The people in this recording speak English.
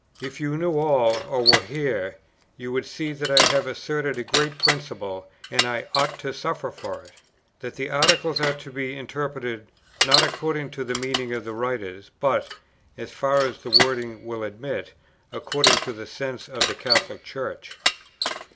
If you knew all, or were here, you would see that I have asserted a great principle, and I ought to suffer for it: that the Articles are to be interpreted, not according to the meaning of the writers, but (as far as the wording will admit) according to the sense of the Catholic Church."